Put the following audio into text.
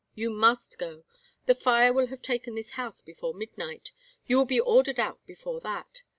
"You must go. The fire will have taken this house before midnight. You will be ordered out before that.